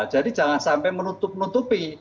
jadi jangan sampai menutup menutupi